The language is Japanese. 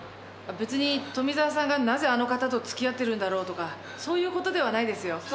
別に富沢さんがなぜあの方とつきあってるんだろうとかそういうことではないですよ。